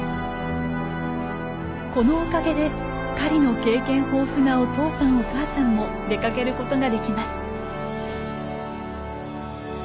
このおかげで狩りの経験豊富なお父さんお母さんも出かけることができます。